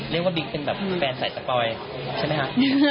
เรียกว่าบิ๊กเป็นแบบแฟนใส่สปอยใช่มั้ยฮะ